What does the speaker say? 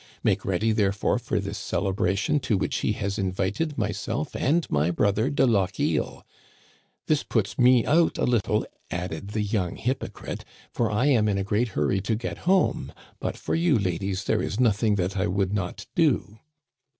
Make ready, therefore, for this celebration, to which he has invited myself and my brother de Lochiel. This puts me out a little,' added the young hypocrite, ' for I am in a great hurry to get Digitized by VjOOQIC A SUPPER. 85 home, but for you ladies there is nothing that I would not do.'